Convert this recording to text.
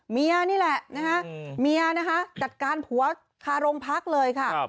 เมียนี่แหละนะคะเมียนะคะจัดการผัวคาโรงพักเลยค่ะ